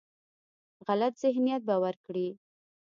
غلط ذهنیت به ورکړي.